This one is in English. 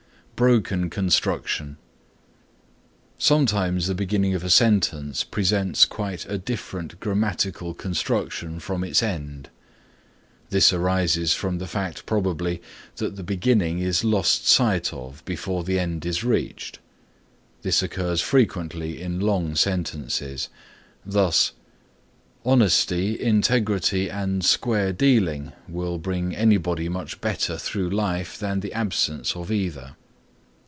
BROKEN CONSTRUCTION Sometimes the beginning of a sentence presents quite a different grammatical construction from its end. This arises from the fact probably, that the beginning is lost sight of before the end is reached. This occurs frequently in long sentences. Thus: "Honesty, integrity and square dealing will bring anybody much better through life than the absence of either."